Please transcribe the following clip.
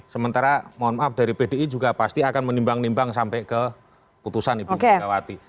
sementara mohon maaf dari pdi juga pasti akan menimbang nimbang sampai ke putusan ibu megawati